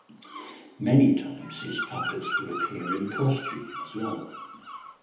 Many times his puppets would appear in costume as well.